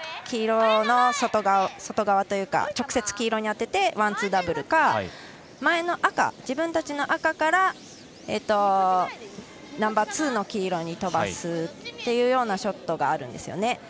黄色の外側というか直接、黄色に当ててワン、ツーのダブルか前の自分たちの赤からナンバーツーの黄色に飛ばすというショットがあるんですね。